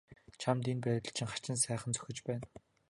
Чамд энэ байдал чинь хачин сайхан зохиж байна.